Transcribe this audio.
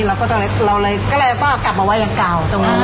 แล้วเราเลยก็ต้องกลับมาวัยเก่า